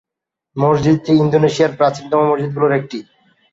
মসজিদটি ইন্দোনেশিয়ার প্রাচীনতম মসজিদগুলির মধ্যে একটি।